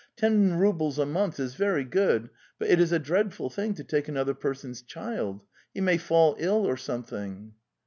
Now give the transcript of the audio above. '' Ten roubles a month is very good, but it is a dreadful thing to take another person's child! He may fall ill or Something.)